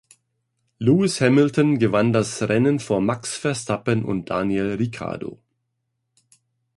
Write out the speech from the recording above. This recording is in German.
Lewis Hamilton gewann das Rennen vor Max Verstappen und Daniel Ricciardo.